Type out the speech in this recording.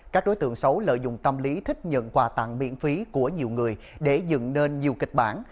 các đối tượng xấu lợi dụng tâm lý thích nhận quà tặng miễn phí của nhiều người để dựng nên nhiều kịch bản